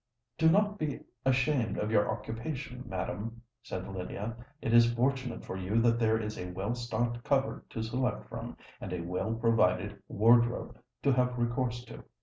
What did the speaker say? "Do not be ashamed of your occupation, madam," said Lydia. "It is fortunate for you that there is a well stocked cupboard to select from, and a well provided wardrobe to have recourse to.